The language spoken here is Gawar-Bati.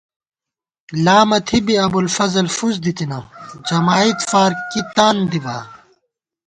لامہ تھی بی ابوالفضل فُس دِتِنہ ، جمائید فار کی تان دِبا